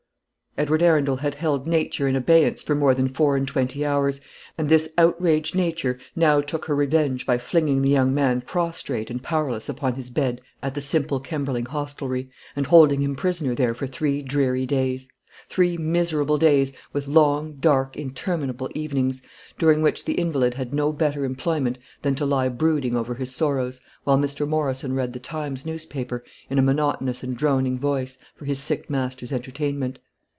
Edward Arundel had held Nature in abeyance for more than four and twenty hours, and this outraged Nature now took her revenge by flinging the young man prostrate and powerless upon his bed at the simple Kemberling hostelry, and holding him prisoner there for three dreary days; three miserable days, with long, dark interminable evenings, during which the invalid had no better employment than to lie brooding over his sorrows, while Mr. Morrison read the "Times" newspaper in a monotonous and droning voice, for his sick master's entertainment.